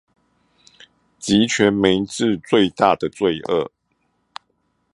極權玫治最大的罪惡